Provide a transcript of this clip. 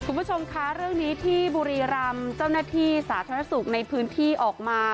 คุณผู้ชมคะเรื่องนี้ที่บุรีรำเจ้าหน้าที่สาธารณสุขในพื้นที่ออกมา